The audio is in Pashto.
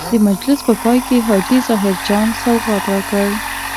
د مجلس په پای کې حاجي ظاهر جان سوغات راکړ.